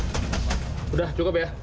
udah cukup ya